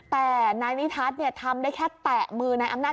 แต่นายนิทัศน์ทำได้แค่แตะมือนายอำนาจ